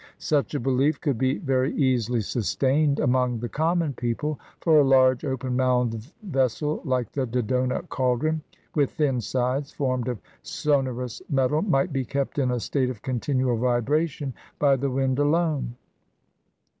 Such a belief could be very 306 HOW CYRUS WON THE LAND OF GOLD easily sustained among the eommon people; for a large, open mouthed vessel like the Dodona caldron, with thin sides formed of sonorous metal, might be kept in a state of continual vibration by the wind alone.